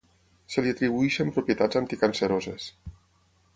Se li atribueixen propietats anticanceroses.